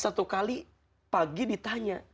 satu kali pagi ditanya